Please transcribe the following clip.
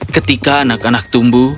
ketika anak anak tumbuh